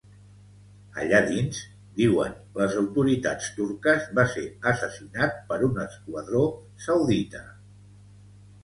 Allà dins, diuen les autoritats turques, va ser assassinat per un esquadró saudita.